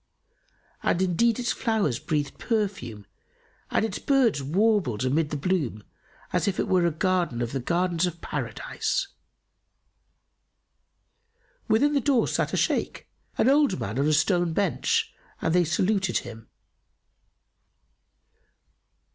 And indeed its flowers breathed perfume and its birds warbled amid the bloom as it were a garden of the gardens of Paradise. Within the door sat a Shaykh, an old man on a stone bench and they saluted him.